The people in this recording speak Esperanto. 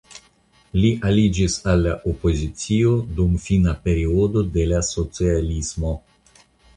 Li aliĝis al la opozicio dum fina periodo de la socialismo.